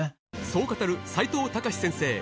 そう語る齋藤孝先生